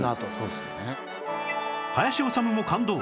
林修も感動！